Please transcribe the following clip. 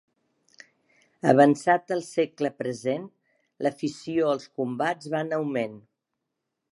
Avançat el segle present l'afició als combats va en augment.